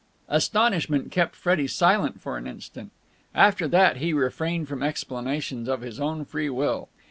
Astonishment kept Freddie silent for an instant: after that he refrained from explanations of his own free will.